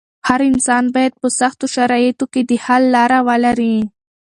هر انسان بايد په سختو شرايطو کې د حل لاره ولري.